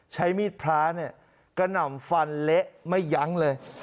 ใช้มีดพระเนี่ยกระหน่ำฟันเละไม่ยั้งเลย